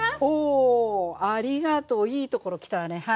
おありがとういいところ来たわね。